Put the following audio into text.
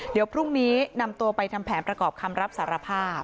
เดี๋ยวพรุ่งนี้นำตัวไปทำแผนประกอบคำรับสารภาพ